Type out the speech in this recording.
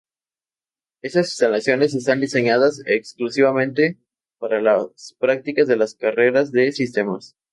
Estas instalaciones están diseñadas exclusivamente para las prácticas de las carreras de sistemas.